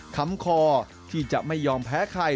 คำคอที่จะไม่ยอมแพ้ใคร